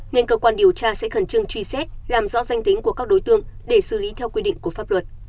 nên cơ quan điều tra sẽ khẩn trương truy xét làm rõ danh tính của các đối tượng để xử lý theo quy định của pháp luật